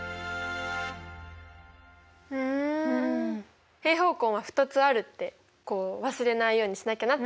ふん平方根は２つあるって忘れないようにしなきゃなって思った。